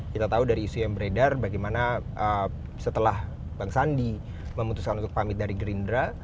kita tahu dari isu yang beredar bagaimana setelah bang sandi memutuskan untuk pamit dari gerindra